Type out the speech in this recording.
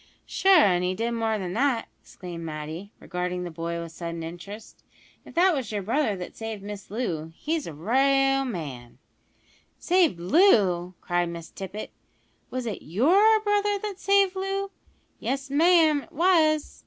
"Sure, an' he did more than that," exclaimed Matty, regarding the boy with sudden interest. "If that was yer brother that saved Miss Loo he's a ra'al man " "Saved Loo!" cried Miss Tippet; "was it your brother that saved Loo?" "Yes, ma'am, it was."